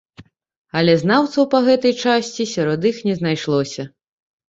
Але знаўцаў па гэтай часці сярод іх не знайшлося.